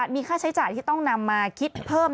มีค่าใช้จ่ายที่ต้องนำมาคิดเพิ่ม